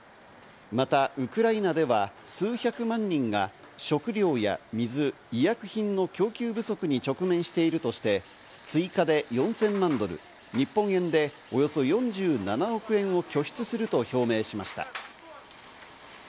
また、ウクライナでは数百万人が食料や水、医薬品の供給不足に直面しているとして追加で４０００万ドル、日本円でおよそ４７億円を拠出すると表明しました。